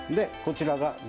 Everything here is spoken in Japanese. こちらが。